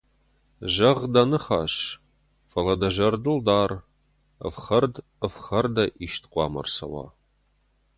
Зӕгъ дӕ ныхас, фӕлӕ дӕ зӕрдыл дар, ӕфхӕрд ӕфхӕрдӕй ист хъуамӕ ӕрцӕуа.